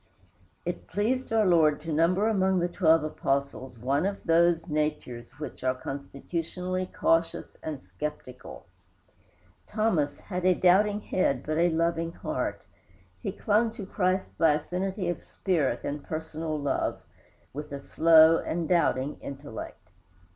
It pleased our Lord to number among the twelve Apostles one of those natures which are constitutionally cautious and skeptical. Thomas had a doubting head but a loving heart; he clung to Christ by affinity of spirit and personal love, with a slow and doubting intellect.